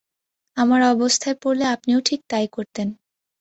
আমার অবস্থায় পড়লে আপনিও ঠিক তাই করতেন।